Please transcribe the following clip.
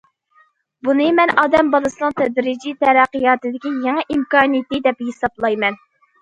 بۇنى مەن ئادەم بالىسىنىڭ تەدرىجىي تەرەققىياتىدىكى يېڭى ئىمكانىيىتى دەپ ھېسابلايمەن.